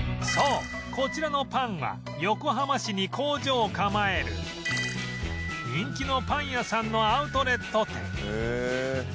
そうこちらのパンは横浜市に工場を構える人気のパン屋さんのアウトレット店